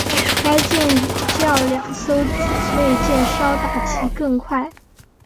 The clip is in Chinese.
该舰也较两艘姊妹舰稍大及更快。